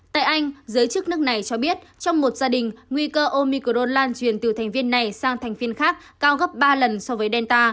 tại anh giới chức nước này cho biết trong một gia đình nguy cơ omicron lan truyền từ thành viên này sang thành viên khác cao gấp ba lần so với delta